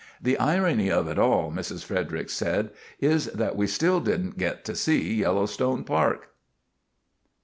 "The irony of it all," Mrs. Fredericks said, "is that we still didn't get to see Yellowstone Park."